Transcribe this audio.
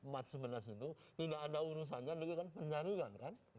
mat sebelas itu tidak ada urusannya dengan penjaringan kan